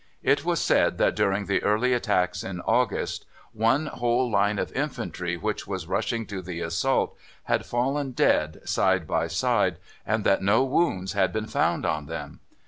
It was said that during the early attacks in August, one whole line of infantry which was rushing to the assault had fallen dead side by side, and that no wounds had been found on them.